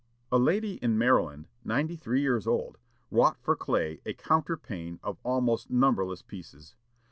A lady in Maryland, ninety three years old, wrought for Clay a counterpane of almost numberless pieces.